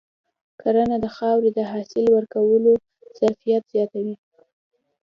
کرنه د خاورې د حاصل ورکولو ظرفیت زیاتوي.